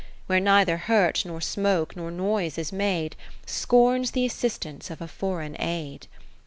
Where neither hurt, nor smoke, nor noise is made, Scorns the assistance of a foreign aid.